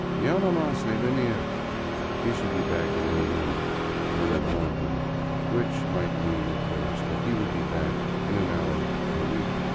Ya no mas de venir — he should be back at any moment "— murmured one of them ; which might mean, of course, that he would be back in an hour or a week.